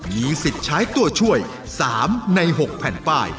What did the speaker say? มีสิทธิ์ใช้ตัวช่วย๓ใน๖แผ่นป้าย